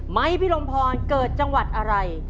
พี่ลมพรเกิดจังหวัดอะไร